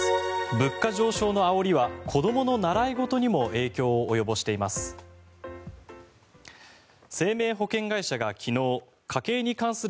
物価上昇のあおりは子どもの習い事にも影響を及ぼしています。